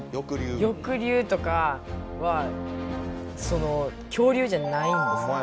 翼竜とかはその恐竜じゃないんですか？